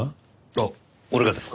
あっ俺がですか？